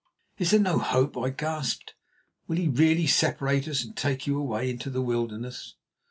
"Is there no hope?" I gasped. "Will he really separate us and take you away into the wilderness?"